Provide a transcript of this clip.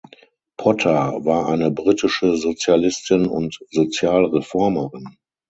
Potter, war eine britische Sozialistin und Sozialreformerin.